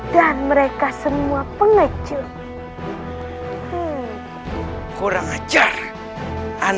dan aku masih memiliki kekuatan